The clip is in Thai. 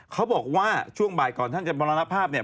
เขาบอกว่าช่วงบ่ายก่อนท่านจะมรณภาพเนี่ย